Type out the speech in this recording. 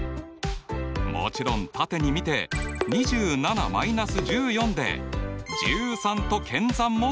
もちろん縦に見て２７−１４で１３と検算もできます！